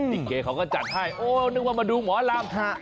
ริเกย์เขาก็จัดให้โอ้นึกว่ามาดูหมอรัม